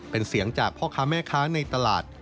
เป็นเสียงจากพ่อค้าแม่ค้าในตลาด